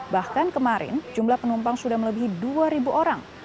bahkan kemarin jumlah penumpang sudah melebihi dua orang